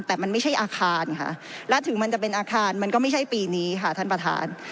แต่มันไม่ใช่อาคารค่ะและถึงมันจะเป็นอาคารมันก็ไม่ใช่ปีนี้ค่ะท่านประธาน